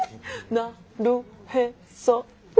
なるへそね！